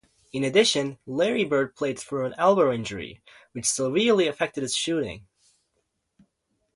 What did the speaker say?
In addition, Larry Bird played through an elbow injury, which severely affected his shooting.